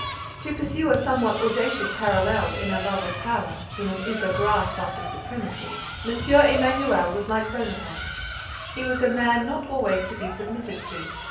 To pursue a somewhat audacious parallel, in a love of power, in an eager grasp after supremacy, M. Emanuel was like Bonaparte. He was a man not always to be submitted to.